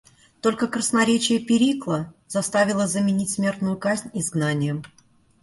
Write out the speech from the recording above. Только красноречие Перикла заставило заменить смертную казнь изгнанием.